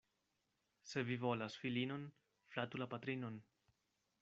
Se vi volas filinon, flatu la patrinon.